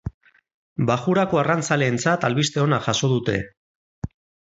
Bajurako arrantzaleentzat albiste ona jaso dute.